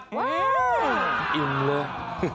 อืมอิ่มเลย